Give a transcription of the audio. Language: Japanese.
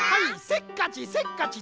せっかちせっかち